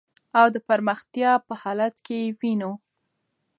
او د پرمختیا په حالت کی یې وېنو .